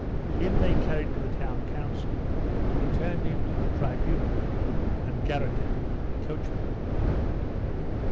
Him they carried to the town council who returned him to the tribunal and garroted the coachman.